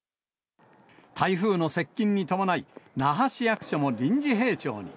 台風の接近に伴い、那覇市役所も臨時閉庁に。